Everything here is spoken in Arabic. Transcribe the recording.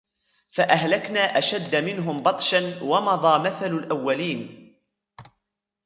فَأَهْلَكْنَا أَشَدَّ مِنْهُمْ بَطْشًا وَمَضَى مَثَلُ الْأَوَّلِينَ